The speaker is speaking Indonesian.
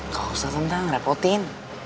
gak usah tante ngerepotin